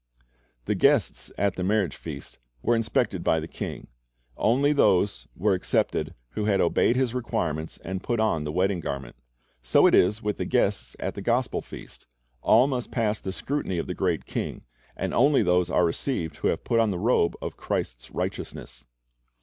The guests at the marriage feast were inspected b}' the king. Only those were accepted who had obeyed his requirements and put on the wedding garment. So it is with the guests at the gospel feast. All must pass the scrutiny of the great King, and only those are received who have put on the robe of Christ's righteousness.